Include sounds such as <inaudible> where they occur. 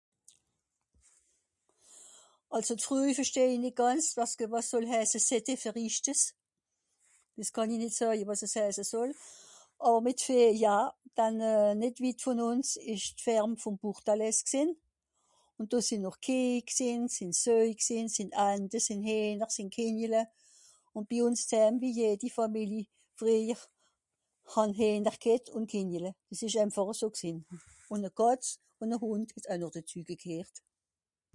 Àlso d'Fröj versteh i nìt gànz, wàs ge... wàs soll hèèse? <unintelligible> Dìs kànn i nìt soeje, wàs es hèèse soll. Àwer mìt Vìeh ja, dann <hesitation> nìt witt vùn ùns ìsch d'Ferme vùn Burtales gsìnn. Ùn do sìnn noch Kìeh gsìnn, sìnn Söj gsìnn, sìnn Ante, sìnn Hìehner, sìnn Kenjele. Ùn bi ùns d'hääm, wie jedi Fàmili frìehjer, hàn Hìehner ghet ùn Kenjele, dìs ìsch einfàch eso gsìnn. Ùn e Kàtz ùn e Hùnd ìsh oe noch dezü gegheert.